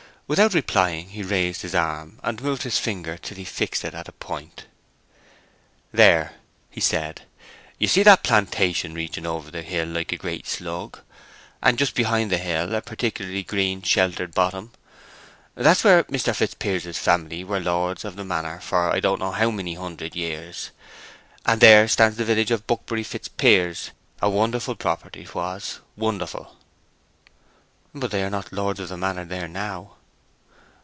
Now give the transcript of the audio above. Without replying he raised his arm, and moved his finger till he fixed it at a point. "There," he said, "you see that plantation reaching over the hill like a great slug, and just behind the hill a particularly green sheltered bottom? That's where Mr. Fitzpiers's family were lords of the manor for I don't know how many hundred years, and there stands the village of Buckbury Fitzpiers. A wonderful property 'twas—wonderful!" "But they are not lords of the manor there now."